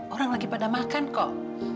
orang lagi pada makan kok